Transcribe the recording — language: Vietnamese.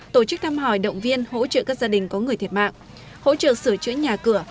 tổ chức thăm hỏi động viên hỗ trợ các gia đình có người thiệt mạng hỗ trợ sửa chữa nhà cửa